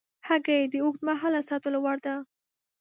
هګۍ د اوږد مهاله ساتلو وړ ده.